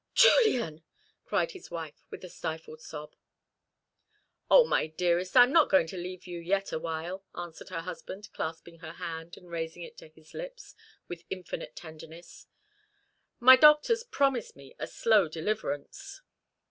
"Julian!" cried his wife, with a stifled sob. "O my dearest, I am not going to leave you yet awhile," answered her husband, clasping her hand, and raising it to his lips with infinite tenderness. "My doctors promise me a slow deliverance.